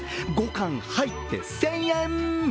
５貫入って、１０００円。